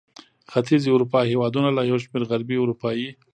ختیځې اروپا هېوادونه له یو شمېر غربي اروپايي